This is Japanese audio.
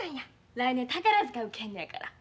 来年宝塚受けんのやから。